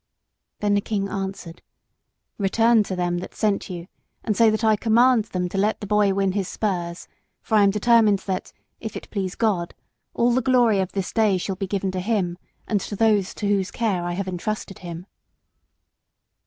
Then the king answered: "Return to them that sent you and say that I command them to let the boy win his spurs, for I am determined that, if it please God, all the glory of this day shall be given to him and to those to whose care I have entrusted him."